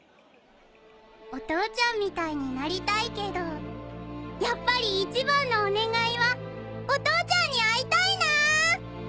お父ちゃんみたいになりたいけどやっぱり一番のお願いはお父ちゃんに会いたいな。